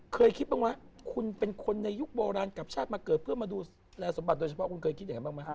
เคยคิดบ้างไหมคุณเป็นคนในยุคโบราณกลับชาติมาเกิดเพื่อมาดูแลสมบัติโดยเฉพาะคุณเคยคิดยังไงบ้างไหมฮ